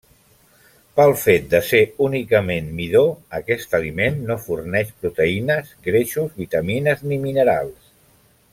Pel fet de ser únicament midó aquest aliment no forneix proteïnes, greixos, vitamines ni minerals.